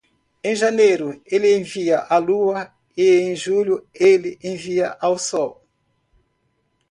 Em janeiro, ele envia a lua e em julho ele envia o sol.